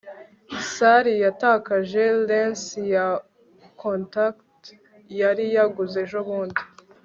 sally yatakaje lens ya contact yari yaguze ejobundi